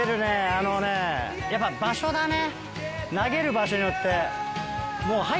あのねやっぱ場所だね。